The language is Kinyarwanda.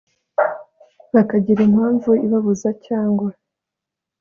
bakagira impamvu ibabuza cyangwa